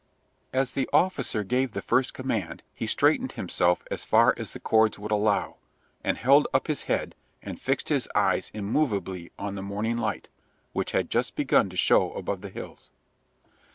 As the officer gave the first command he straightened himself as far as the cords would allow, and held up his head and fixed his eyes immovably on the morning light, which had just begun to show above the hills.